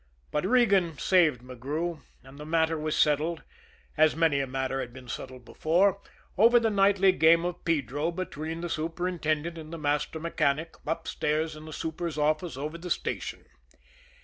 But Regan saved McGrew; and the matter was settled, as many a matter had been settled before, over the nightly game of pedro between the superintendent and the master mechanic, upstairs in the super's office over the station.